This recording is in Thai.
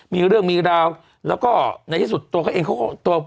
มีเรื่องมีราวแล้วก็ในที่สุดตัวเขาเองเขาก็ตัว